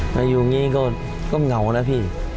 มาอยู่นี่ก็ก็เหงานะพี่